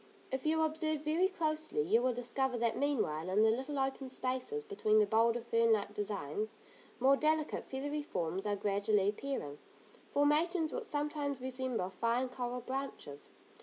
If you observe very closely, you will discover that meanwhile, in the little open spaces, between the bolder fern like designs, more delicate feathery forms are gradually appearing, formations which sometimes resemble fine coral branches.